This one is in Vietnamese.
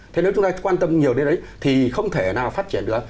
thế nếu chúng ta quan tâm nhiều đến đấy thì không thể nào phát triển được